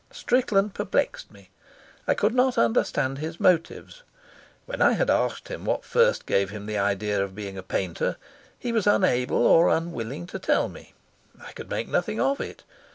Strickland perplexed me. I could not understand his motives. When I had asked him what first gave him the idea of being a painter, he was unable or unwilling to tell me. I could make nothing of it.